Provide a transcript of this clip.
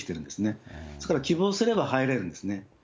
ですから、希望すれば入れるんですね。